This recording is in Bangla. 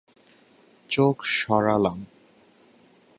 চোখ সরালাম।